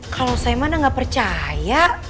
kalau saya mana nggak percaya